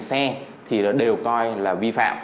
xe thì nó đều coi là vi phạm